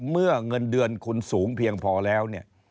เมื่อเงินเดือนคุณสูงเพียงพอแล้วเนี่ย